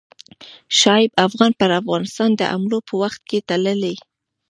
شعیب افغان پر افغانستان د حملو په وخت کې تللی.